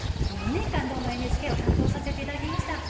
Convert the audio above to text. ２年間「どーも、ＮＨＫ」を担当させていただきました。